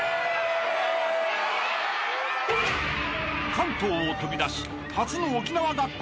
［関東を飛び出し初の沖縄学校